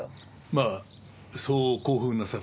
まあそう興奮なさらずに。